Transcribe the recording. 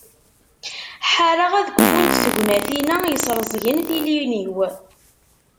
Ḥareɣ ad kfunt tegnatin-a yesrezgen tilin-iw.